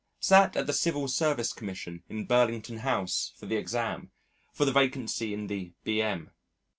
Sat at the Civil Service Commission in Burlington House for the exam, for the vacancy in the B.M.